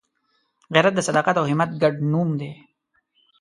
غیرت د صداقت او همت ګډ نوم دی